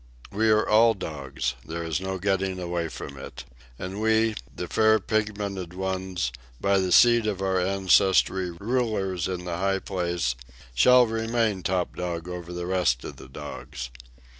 We are all dogs—there is no getting away from it. And we, the fair pigmented ones, by the seed of our ancestry rulers in the high place, shall remain top dog over the rest of the dogs.